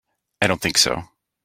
I don't think so.